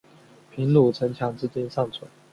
平鲁城墙至今尚存。